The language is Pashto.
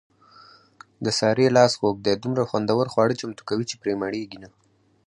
د سارې لاس خوږ دی دومره خوندور خواړه چمتو کوي، چې پرې مړېږي نه.